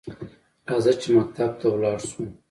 راځه چې مکتب ته لاړشوو؟